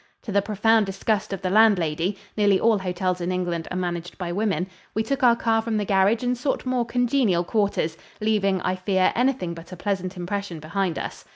To the profound disgust of the landlady nearly all hotels in England are managed by women we took our car from the garage and sought more congenial quarters, leaving, I fear, anything but a pleasant impression behind us.